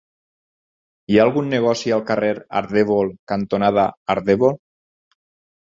Hi ha algun negoci al carrer Ardèvol cantonada Ardèvol?